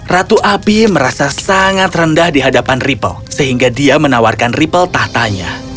ratu api merasa sangat rendah di hadapan ripel sehingga dia menawarkan ripel tahtanya